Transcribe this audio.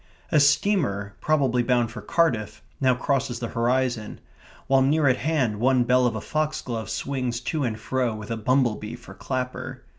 A steamer, probably bound for Cardiff, now crosses the horizon, while near at hand one bell of a foxglove swings to and fro with a bumble bee for clapper.